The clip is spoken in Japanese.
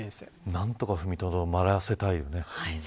何とか踏みとどまらせたいよね。